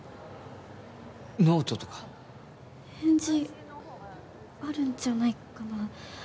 ノートとか返事あるんじゃないかな